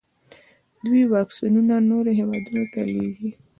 دوی واکسینونه نورو هیوادونو ته لیږي.